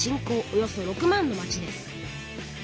およそ６万の町です。